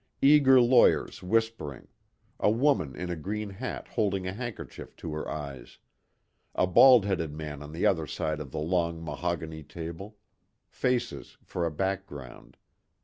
Eager lawyers whispering; a woman in a green hat holding a handkerchief to her eyes; a bald headed man on the other side of the long mahogany table; faces for a background.